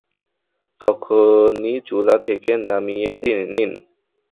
তখনই চুলা থেকে নামিয়ে নিন।